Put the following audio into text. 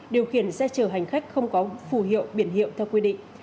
điều khiển xe chở hành khách không có phù hiệu biển hiệu theo quy định